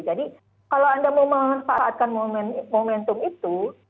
jadi kalau anda mau memanfaatkan momentum itu